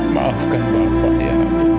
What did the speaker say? maafkan bapak ya